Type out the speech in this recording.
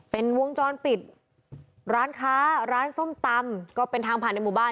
เป็นวงจรปิดร้านค้าร้านส้มตำก็เป็นทางผ่านในหมู่บ้าน